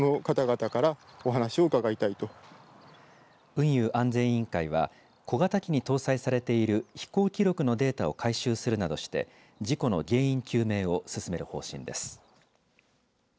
運輸安全委員会は小型機に搭載されている飛行記録のデータを回収するなどして事故の原因究明を進める方針です。